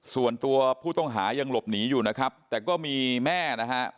ส่วนตัวผู้ต้องหายังหลบหนีอยู่นะครับแต่ก็มีแม่นะฮะ